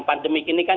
pandemik ini kan